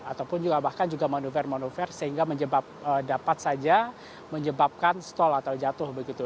ataupun juga bahkan juga manuver manuver sehingga dapat saja menyebabkan stall atau jatuh begitu